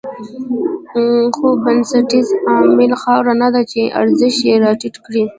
خو بنسټیز عامل خاوره نه ده چې ارزښت یې راټيټ کړی.